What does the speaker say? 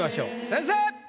先生！